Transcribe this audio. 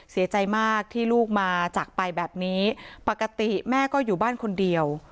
เสียใจมากที่ลูกมาจากไปแบบนี้ปกติแม่ก็อยู่บ้านคนเดียว